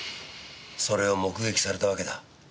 それを目撃されたわけだ。